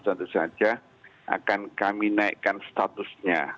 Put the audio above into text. tentu saja akan kami naikkan statusnya